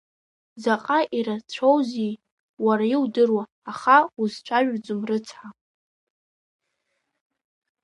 Заҟа ирацәаӡоузеи уара иудыруа, аха узцәажәаӡом рыцҳа!